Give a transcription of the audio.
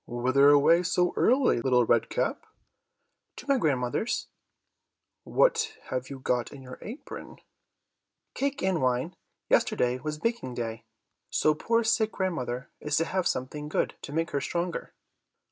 "Whither away so early, Little Red Cap?" "To my grandmother's." "What have you got in your apron?" "Cake and wine; yesterday was baking day, so poor sick grandmother is to have something good, to make her stronger."